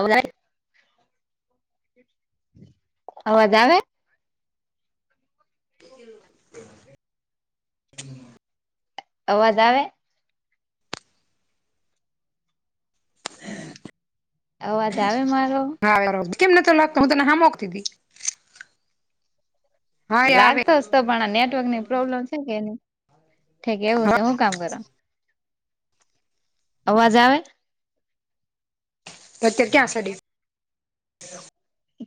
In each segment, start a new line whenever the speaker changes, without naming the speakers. અવરા અવાજ આવે?
[unintelligible]
અવાજ આવે અવાજ આવે મારો
હા કેમ નતો લાગતો ફોન કે હું તને હામો ફોન કરતી હતી. હા
ફોન
એ આવે
લાગતોતો પણ નેટવર્કની પ્રોબ્લેમ છે કે એ ઠીક એવું છે
હા
હું કામ કરુ અવાજ આવે?
અત્યારે ક્યાં ચડી?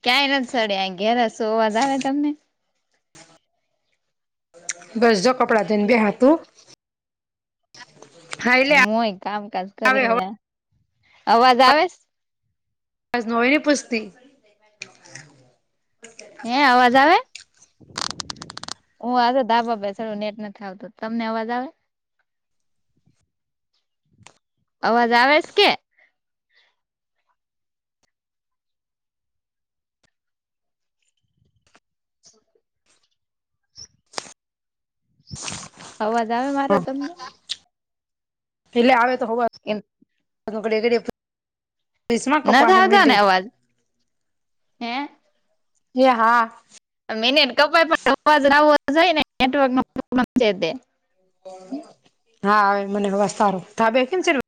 ક્યાંય નથી ચડ્યા આ ઘેર જ છું અવાજ આવે તમને
બસ જો કપડા ધોઇ બેઠા તું હા એટલે
હુ એ કામકાજ
આવે
કરીને અવાજ આવે?
આજ નો એ પુસ્તિ
હેં અવાજ આવે? હું આજે ધાબા પર ચડું છું નેટ નથી આવતું તમને અવાજ આવે અવાજ આવે છે કે અવાજ આવે મારો તમણે
એેટલે આવે તો ખબર
એમ
આમા ઘડીયે ઘડિયે પુછીસ ના
નથી
કપામાં
આવતો ને
મેંલી
અવાજ હે
એ હા
મિનીટ કપાય પણ અવાજ આવવો જોઈએને નેટવર્ક નો પ્રોબ્લેમ છે તે
હા હવે મને અવાજ સારો ધાબે કેમ ચડ્યો?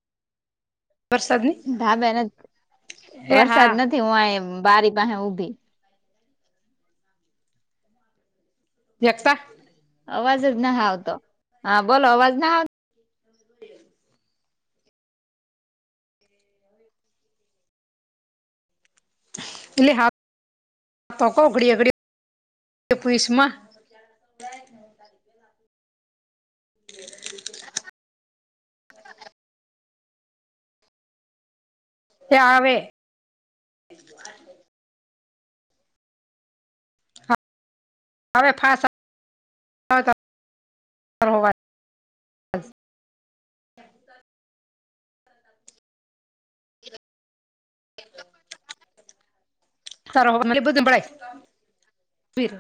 ધાબે નથ
એ
વરસાદ
હા
નથી હું અહીં બારી પાસે ઊભી
જેક્સા
અવાજ જ નહ આવતો, હા બોલો અવાજ ના આવતો
[inaudible] એટલે હાતો કવ ઘડીયે ઘડિયે બસમાં [inaudible] [inaudible] એ હા હવે. અવે ફાસ આવતો નઈ [inaudible] [unintelligible] બનાય ખીર